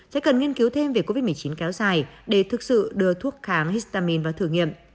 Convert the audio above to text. sẽ cần nghiên cứu thêm về covid một mươi chín kéo dài để thực sự đưa thuốc kháng histamin vào thử nghiệm